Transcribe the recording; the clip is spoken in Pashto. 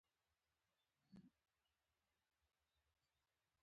استاد هجرت الله اختیار د «اعتراف» لړۍ پېل کړې.